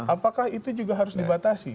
apakah itu juga harus dibatasi